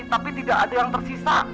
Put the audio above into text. tapi tidak ada yang tersisa